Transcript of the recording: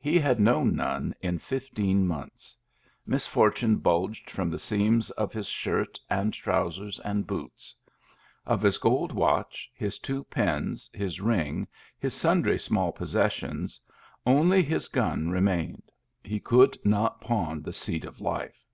He had known none in fifteen months. Mis fortune bulged from the seams of his shirt and trousers and boots. Of his gold watch, his two pins, his ring, his sundry small possessions, only his gun remained : he could not pawn the seat of life.